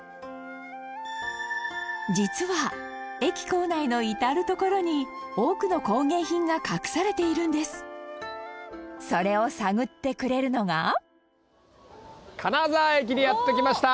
実は、駅構内の至る所に多くの工芸品が隠されているんですそれを探ってくれるのが金沢駅にやって来ました。